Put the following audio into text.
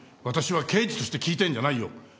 私は刑事として聞いてるんじゃないよ。